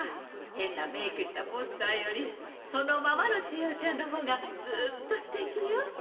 へんなメークしたポスターよりそのままのちえおちゃんのほうがずっとすてきよ。